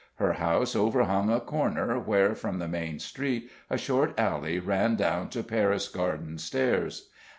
Her house overhung a corner where from the main street a short alley ran down to Paris Garden stairs.